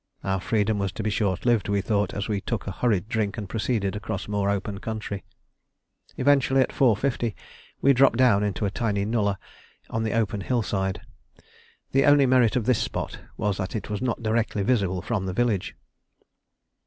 Our freedom was to be short lived, we thought, as we took a hurried drink and proceeded across more open country. Eventually, at 4.50, we dropped down into a tiny nullah on the open hillside. The only merit of this spot was that it was not directly visible from the village.